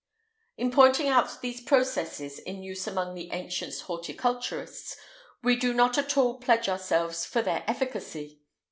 [IX 158] In pointing out these processes in use among the ancient horticulturists, we do not at all pledge ourselves for their efficacy.